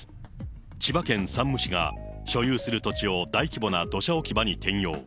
千葉県山武市が、所有する土地を大規模な土砂置き場に転用。